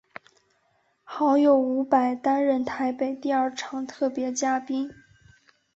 好友伍佰担任台北第二场特别嘉宾。